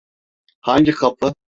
Hangi kapı?